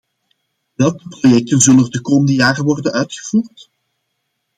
Welke projecten zullen er de komende jaren worden uitgevoerd?